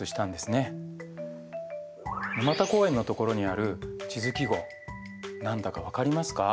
沼田公園のところにある地図記号何だか分かりますか？